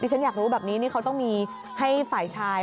ฉันอยากรู้แบบนี้นี่เขาต้องมีให้ฝ่ายชาย